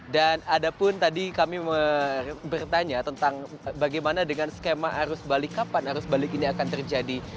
ada pun tadi kami bertanya tentang bagaimana dengan skema arus balik kapan arus balik ini akan terjadi